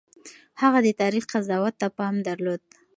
هغه د تاريخ قضاوت ته پام درلود.